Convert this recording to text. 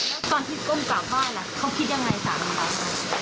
แล้วก่อนที่ก้มก่อพ่อนเขาคิดอย่างไรสามีพี่